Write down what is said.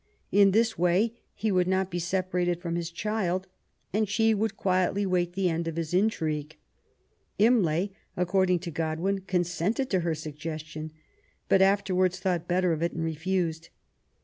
In this way he would not be separated from his child, and she would quietly wait the end of his intrigue. Imlay, according to Godwin, consented to her su^es tiou, but afterwards thought better of it and refused.